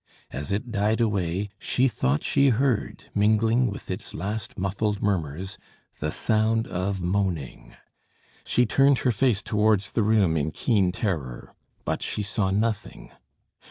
As it died away, she thought she heard, mingling with its last muffled murmurs, the sound of moaning. She turned her face towards the room in keen terror. But she saw nothing.